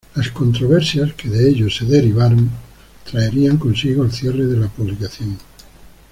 Las controversias que de ello se derivaron traerían consigo el cierre de la publicación.